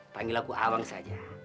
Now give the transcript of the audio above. panggil aku awang saja